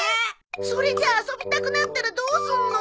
それじゃあ遊びたくなったらどうすんの？